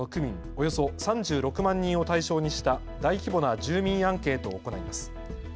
およそ３６万人を対象にした大規模な住民アンケートを行います。